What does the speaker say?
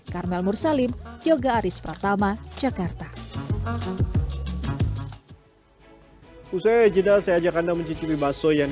karmel mursalim yoga aris pratama jakarta